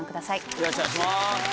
よろしくお願いします。